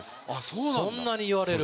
そんなに言われる。